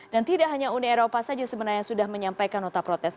dan tidak hanya uni eropa saja sebenarnya sudah menyampaikan nota protes